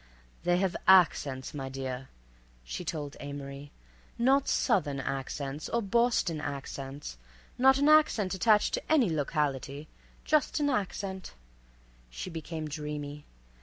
"They have accents, my dear," she told Amory, "not Southern accents or Boston accents, not an accent attached to any locality, just an accent"—she became dreamy.